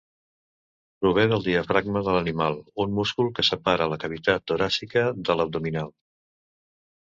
Prové del diafragma de l'animal, un múscul que separa la cavitat toràcica de l'abdominal.